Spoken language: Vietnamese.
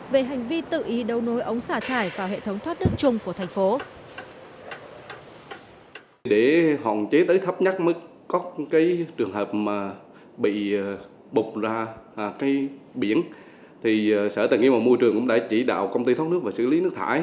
về hành vi tự ý đấu nối ống xả thải vào hệ thống thoát nước chung của thành phố